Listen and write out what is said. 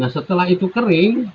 setelah itu kering